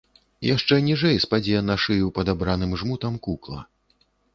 Яшчэ ніжэй спадзе на шыю падабраным жмутам кукла.